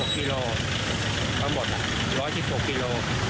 ๑๑๖กิโลกรัมทั้งหมด๑๑๖กิโลกรัม